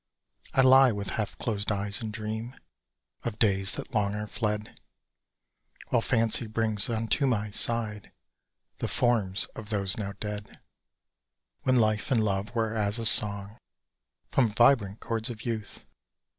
I lie with half closed eyes and dream Of days that long are fled; While fancy brings unto my side The forms of those now dead. When life and love were as a song From vibrant chords of youth!